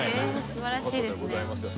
素晴らしいですね。